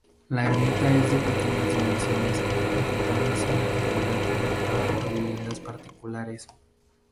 La ermita es de pequeñas dimensiones, encontrándose en la actualidad enmarcada por viviendas particulares.